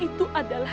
ini sudah berubah